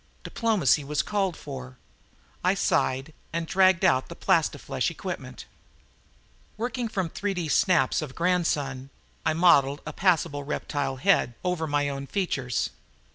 Diplomacy was called for. I sighed and dragged out the plastiflesh equipment. Working from 3D snaps of Grandson, I modeled a passable reptile head over my own features.